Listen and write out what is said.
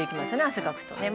汗かくとね。